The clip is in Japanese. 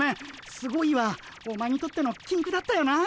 「すごい」はお前にとってのきんくだったよな。